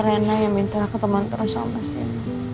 rena yang minta ketemuan terus sama mas timo